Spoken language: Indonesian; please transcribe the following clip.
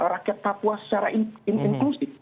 rakyat papua secara inklusif